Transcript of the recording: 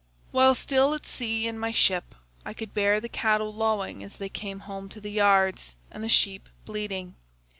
While still at sea in my ship I could bear the cattle lowing as they came home to the yards, and the sheep bleating.